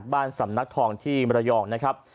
สำนักทองที่มรยองนะครับ